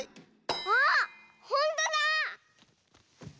あっほんとだ！